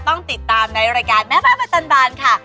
ต้องติดตามในรายการแม่บ้านประจำบานค่ะ